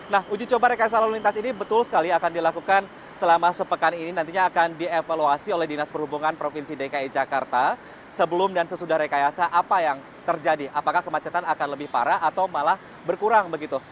nah uji coba rekayasa lalu lintas ini betul sekali akan dilakukan selama sepekan ini nantinya akan dievaluasi oleh dinas perhubungan provinsi dki jakarta sebelum dan sesudah rekayasa apa yang terjadi apakah kemacetan akan lebih parah atau malah berkurang begitu